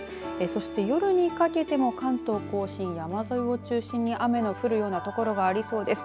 そして、夜にかけても関東甲信山沿いを中心に雨の降るような所がありそうです。